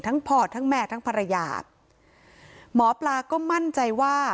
พ่อทั้งแม่ทั้งภรรยาหมอปลาก็มั่นใจว่า